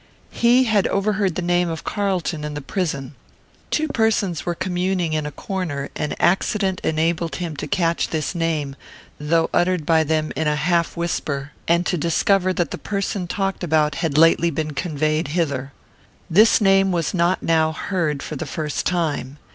He had overheard the name of Carlton in the prison. Two persons were communing in a corner, and accident enabled him to catch this name, though uttered by them in a half whisper, and to discover that the person talked about had lately been conveyed thither. This name was not now heard for the first time.